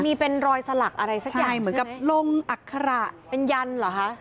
มีเป็นรอยสลักอะไรสักอย่างใช่ไหมใช่เหมือนกับลงอักษระเป็นยันหรอฮะ